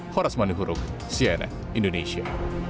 horas mani hurug cnn indonesia